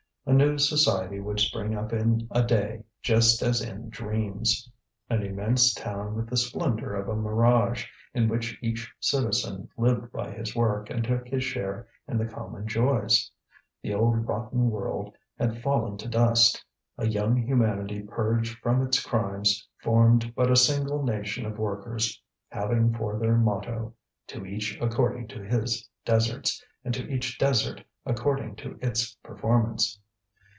A new society would spring up in a day just as in dreams, an immense town with the splendour of a mirage, in which each citizen lived by his work, and took his share in the common joys. The old rotten world had fallen to dust; a young humanity purged from its crimes formed but a single nation of workers, having for their motto: "To each according to his deserts, and to each desert according to its performance."